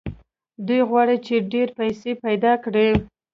دوی غواړي چې ډېرې پيسې پيدا کړي.